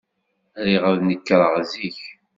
Riɣ ad nekreɣ zik.